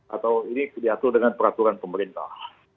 atau ini diatur dengan peraturan pemerintah